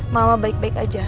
mama baik baik aja